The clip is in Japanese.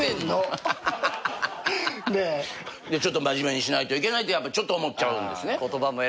真面目にしないといけないとちょっと思っちゃうんですね。